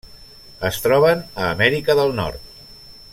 Es troben a Amèrica del Nord.